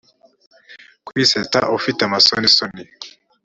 kwisetsa ufite amasonisoni